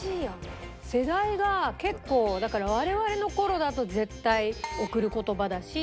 世代が結構だから我々の頃だと絶対『贈る言葉』だし。